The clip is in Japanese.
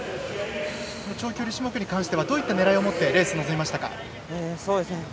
長距離種目に関してはどういった狙いを持ってレースに臨みましたか？